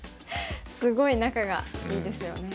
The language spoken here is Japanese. すごい仲がいいですよね。